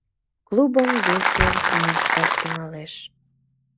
Клубым весе мушкаш тӱҥалеш.